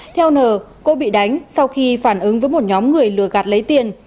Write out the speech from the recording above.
theo n cô bị đánh sau khi phản ứng với một nhóm người lừa gạt lấy tiền